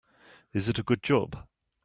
Is it a good job?